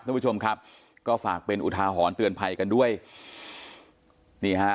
ทุกผู้ชมครับก็ฝากเป็นอุทาหรณ์เตือนภัยกันด้วยนี่ฮะ